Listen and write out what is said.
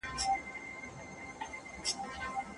ویل یې زندګي خو بس په هجر تمامېږي